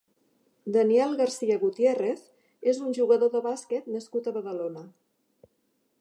Daniel Garcia Gutiérrez és un jugador de bàsquet nascut a Badalona.